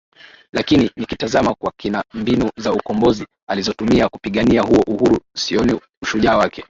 Lakini nikitazama kwa kina mbinu za ukombozi alizotumia kupigania huo uhuru sioni ushujaa wake